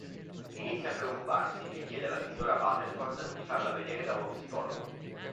Inizia a preoccuparsi e chiede alla signora Waterford di farla vedere da uno psicologo.